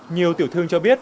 nhiều tiểu thương cho biết